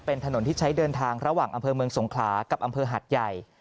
เป็นถนนที่ใช้เดินทางระหว่างอำเภอเมืองสงขลากับอำเภอหัดใหญ่